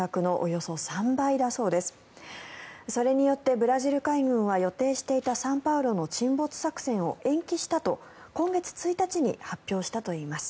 それによってブラジル海軍は予定していた「サンパウロ」の沈没作戦を延期したと今月１日に発表したといいます。